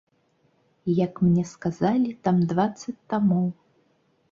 Як мне сказалі, там дваццаць тамоў.